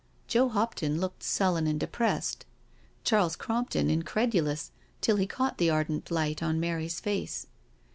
Joe Hopton looked sullen and depressed; Charles Crompton in credulous, till he caught the ardent light on Mary's face.